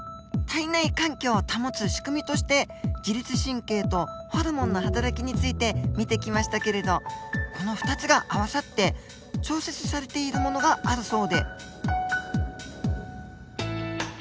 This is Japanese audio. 体内環境を保つ仕組みとして自律神経とホルモンのはたらきについて見てきましたけれどこの２つが合わさって調節されているものがあるそうで。